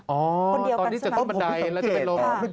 อ๋อตอนนี้จะต้นบันไดแล้วจะไปลม